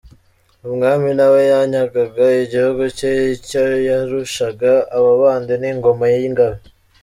Umwami ntawe yanyagaga igihugu cye, icyoyarushaga abo bandi ni Ingoma y’Ingabe.